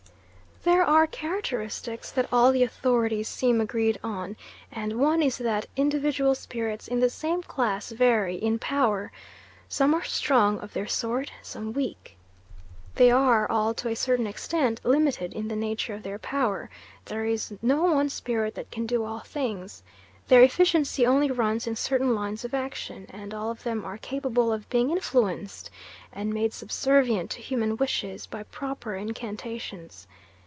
There are characteristics that all the authorities seem agreed on, and one is that individual spirits in the same class vary in power: some are strong of their sort, some weak. They are all to a certain extent limited in the nature of their power; there is no one spirit that can do all things; their efficiency only runs in certain lines of action and all of them are capable of being influenced, and made subservient to human wishes, by proper incantations.